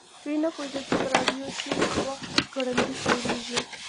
دوی نه پوهیدل چې په راډیو شیک کې وخت ګړندی تیریږي